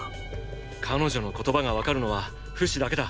彼女の言葉がわかるのはフシだけだ。